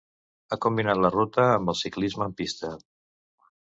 Ha combinat la ruta amb el ciclisme en pista.